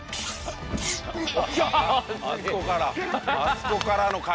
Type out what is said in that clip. そこから。